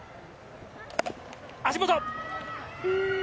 足元！